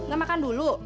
nggak makan dulu